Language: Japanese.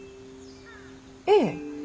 ええ。